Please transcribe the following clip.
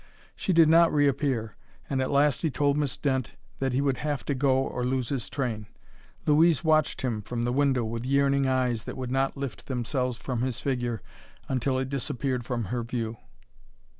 She did not reappear, and at last he told Miss Dent that he would have to go or lose his train. Louise watched him from the window with yearning eyes that would not lift themselves from his figure until it disappeared from her view.